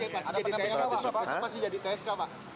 pasti jadi tsk pak besok pasti jadi tsk